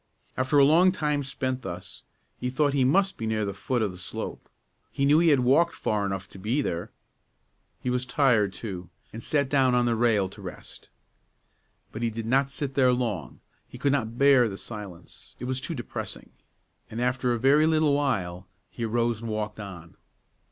After a long time spent thus, he thought he must be near the foot of the slope; he knew he had walked far enough to be there. He was tired, too, and sat down on the rail to rest. But he did not sit there long; he could not bear the silence, it was too depressing, and after a very little while he arose and walked on.